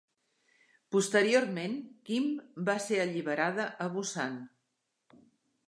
Posteriorment Kim va ser alliberada a Busan.